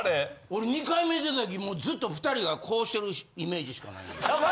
俺２回目出たときずっと２人がこうしてるイメージしかない。